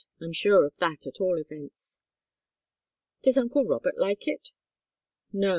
I'm sure of that, at all events." "Does uncle Robert like it?" "No.